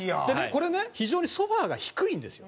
これね非常にソファが低いんですよ。